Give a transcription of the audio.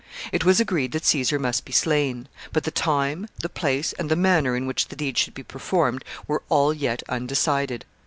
It was agreed that Caesar must be slain; but the time, the place, and the manner in which the deed should be performed were all yet undecided.